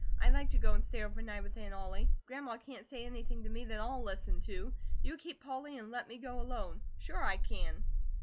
I'd like to go and stay over night with Aunt Ollie. Grandma can't say anything to me that I'll listen to. You keep Polly, and let me go alone. Sure I can."